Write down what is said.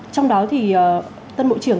trong đó thì tân bộ trưởng